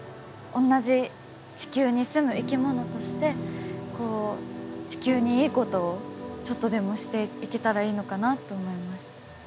おんなじ地球に住む生き物としてこう地球にいいことをちょっとでもしていけたらいいのかなと思いました。